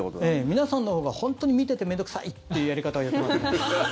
皆さんのほうが本当に見てて面倒臭いというやり方をやってます。